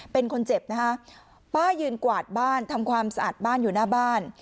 เป็นคนเจ็บนะคะป้ายืนกวาดบ้านทำความสะอาดบ้านอยู่หน้าบ้าน